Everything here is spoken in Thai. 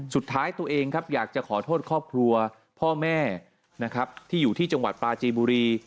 สุดท้ายตัวเองครับอยากจะขอโทษครอบครัวพ่อแม่นะครับที่อยู่ที่จังหวัดปลาจีบุรี